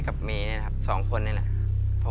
ก็รังลีแม่กับเมเนี่ยครับ